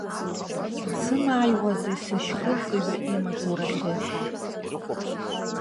Дзымааиуазеи сышькылкҩы имаҵурахьы?